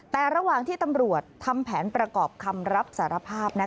แต่ระหว่างที่ตำรวจทำแผนประกอบคำรับสารภาพ